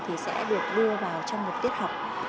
thì sẽ được đưa vào trong một tiết học